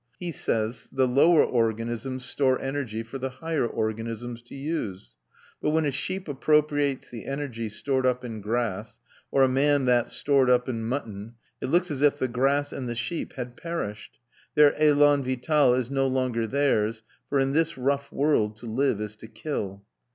He says the lower organisms store energy for the higher organisms to use; but when a sheep appropriates the energy stored up in grass, or a man that stored up in mutton, it looks as if the grass and the sheep had perished. Their élan vital is no longer theirs, for in this rough world to live is to kill.